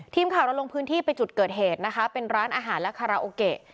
ทีมข่าวเราลงพื้นที่ไปจุดเกิดเหตุนะคะเป็นร้านอาหารและคาราโอเกะ